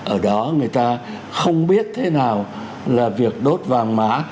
ở đó người ta không biết thế nào là việc đốt vàng mã